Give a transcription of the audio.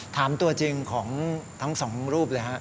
ถามตัวจริงของทั้งสองรูปเลยฮะ